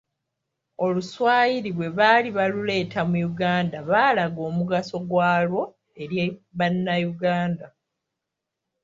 Oluswayiri bwe baali baluleeta mu Uganda baalaga omugaso gwalwo eri Bannayuganda.